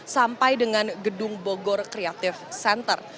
sampai dengan gedung bogor creative center